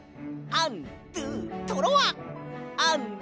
アンドゥトロワ！